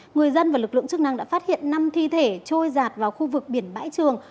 người dân và lực lượng chức năng đã phát hiện năm thi thể trôi giạt vào khu vực biển bãi trường